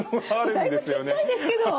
だいぶちっちゃいですけど！